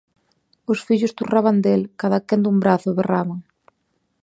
Os fillos turraban del, cadaquén dun brazo, e berraban: